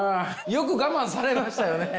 よく我慢されましたよね。